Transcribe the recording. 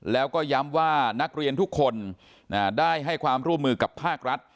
แล้วก็ย้ำว่านักเรียนทุกคนได้ให้ความร่วมมือกับภาครัฐ